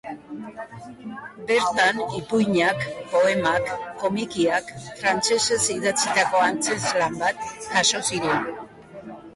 Bertan ipuinak, poemak, komikiak, frantsesez idatzitako antzezlan bat... jaso ziren.